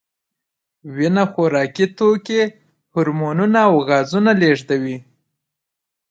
وینه خوراکي توکي، هورمونونه او غازونه لېږدوي.